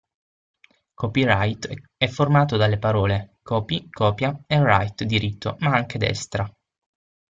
Copyright è formato dalle parole "copy", copia, e right, diritto, ma anche destra.